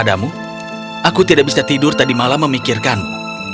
aku tidak bisa tidur tadi malam memikirkanmu